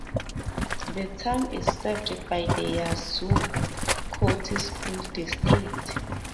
The town is served by the Yazoo County School District.